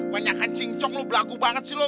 banyakan cincong lu belagu banget sih lu